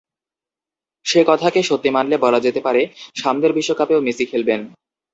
সে কথাকে সত্যি মানলে বলা যেতে পারে, সামনের বিশ্বকাপেও মেসি খেলবেন।